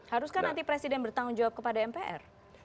haruskah nanti presiden bertanggung jawab kepada mpr